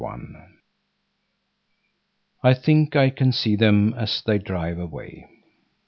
DOWNIE I I think I can see them as they drive away.